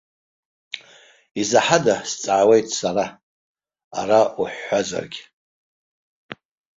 Изаҳада, сҵаауеит сара, ара уҳәҳәазаргь.